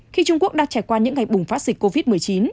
khi trung quốc đang trải qua những ngày bùng phát dịch covid một mươi chín